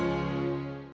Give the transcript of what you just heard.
aku bisa melihatnya